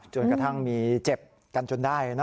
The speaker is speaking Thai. จนกระทั่งมีเจ็บกันจนได้